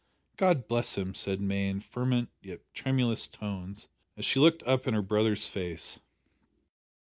"God bless him!" said May in fervent yet tremulous tones as she looked up in her brother's face.